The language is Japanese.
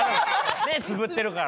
目つぶってるから。